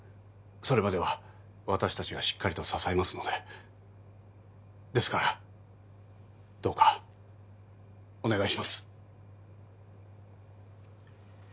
それまでは私達がしっかりと支えますのでですからどうかお願いします